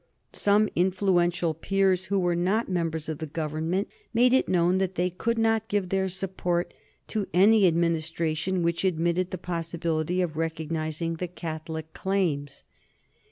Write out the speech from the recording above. Some influential peers who were not members of the Government made it known that they could not give their support to any Administration which admitted the possibility of recognizing the Catholic claims.